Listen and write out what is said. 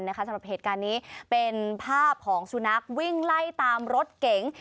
สำหรับเหตุการณ์นี้เป็นภาพของสุนัขวิ่งไล่ตามรถเก๋ง